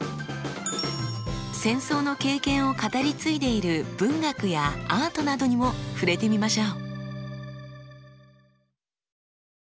戦争の経験を語り継いでいる文学やアートなどにも触れてみましょう。